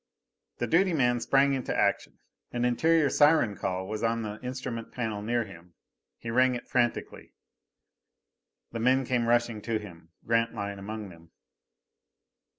The duty man sprang into action. An interior siren call was on the instrument panel near him. He rang it frantically. The men came rushing to him, Grantline among them.